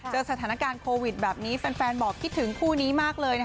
เจอสถานการณ์โควิดแบบนี้แฟนบอกคิดถึงคู่นี้มากเลย